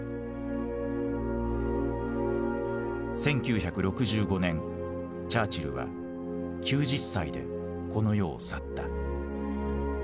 １９６５年チャーチルは９０歳でこの世を去った。